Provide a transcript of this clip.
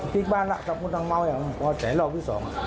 ยิงบ้านน่ะทรัพย์คุณน้องเมาท์คุณว่าใจเราอีกสอง